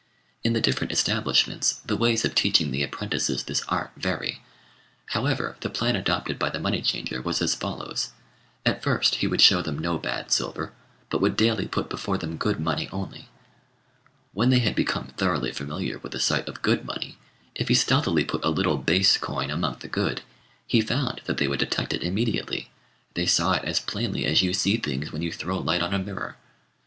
In the different establishments, the ways of teaching the apprentices this art vary; however, the plan adopted by the money changer was as follows: At first he would show them no bad silver, but would daily put before them good money only; when they had become thoroughly familiar with the sight of good money, if he stealthily put a little base coin among the good, he found that they would detect it immediately, they saw it as plainly as you see things when you throw light on a mirror.